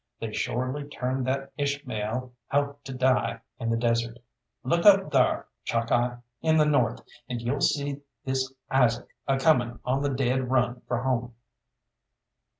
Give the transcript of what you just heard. They shorely turned that Ishmael out to die in the desert. Look up thar, Chalkeye, in the north, and you'll see this Isaac a coming on the dead run for home."